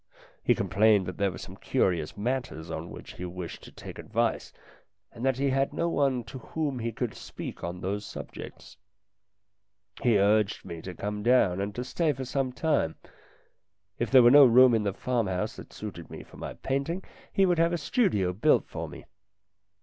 He complained that there were some curious matters on which he wished to take advice, and that he had no one to whom he could speak on those subjects. He urged me to come down and to stay for some time. If there were no room in the farmhouse that suited me for my painting he would have a studio built for me.